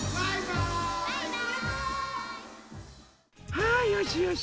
はいよしよし。